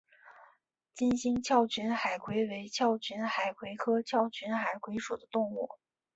金星鞘群海葵为鞘群海葵科鞘群海葵属的动物。